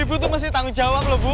ibu tuh mesti tanggung jawab loh bu